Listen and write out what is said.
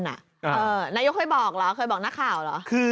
นายกเคยบอกเหรอเคยบอกนักข่าวเหรอ